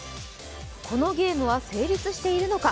このゲームは成立しているのか？